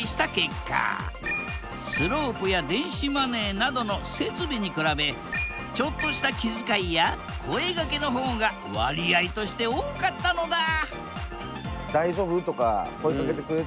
スロープや電子マネーなどの設備に比べちょっとした気遣いや声がけの方が割合として多かったのだ！